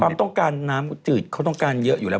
ความต้องการน้ำจืดเขาต้องการเยอะอยู่แล้ว